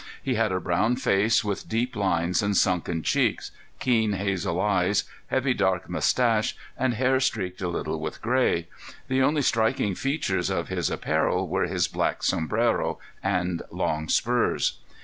He had a brown face with deep lines and sunken cheeks, keen hazel eyes, heavy dark mustache, and hair streaked a little with gray. The only striking features of his apparel were his black sombrero and long spurs.